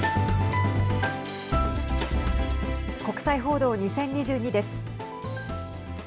国際報道２０２２です。